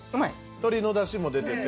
鶏のダシも出てて。